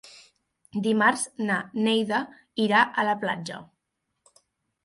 Dimarts na Neida irà a la platja.